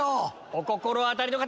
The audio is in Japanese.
お心当たりの方！